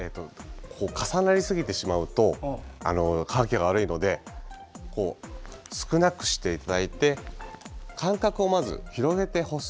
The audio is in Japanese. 重なりすぎてしまうと乾きが悪いので少なくしていただいて間隔をまず広げて干す。